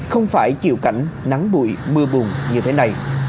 không phải chịu cảnh nắng bụi mưa bùng như thế này